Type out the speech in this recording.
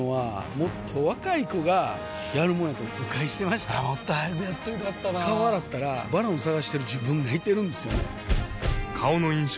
もっと早くやっといたら良かったなぁ顔洗ったら「ＶＡＲＯＮ」探してる自分がいてるんですよね